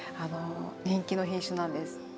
人気の品種なんです。